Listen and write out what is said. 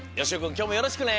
きょうもよろしくね！